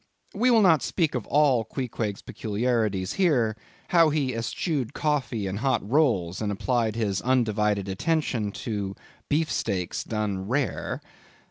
We will not speak of all Queequeg's peculiarities here; how he eschewed coffee and hot rolls, and applied his undivided attention to beefsteaks, done rare.